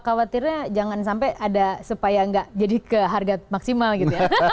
khawatirnya jangan sampai ada supaya nggak jadi ke harga maksimal gitu ya